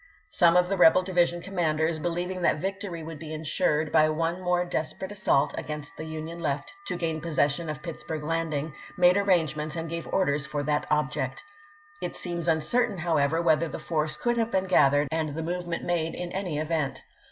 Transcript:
Some of the rebel division commanders, believing that vic tory would be insured by one more desperate assault against the Union left to gain possession of Pittsburg Landing, made arrangements and gave orders for that object. It seems uncertain, however, whether the force could have been gath ered and the movement made in any event.